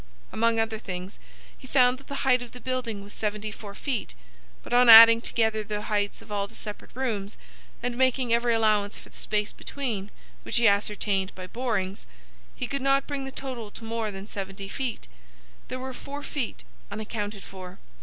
Among other things, he found that the height of the building was seventy four feet, but on adding together the heights of all the separate rooms, and making every allowance for the space between, which he ascertained by borings, he could not bring the total to more than seventy feet. There were four feet unaccounted for.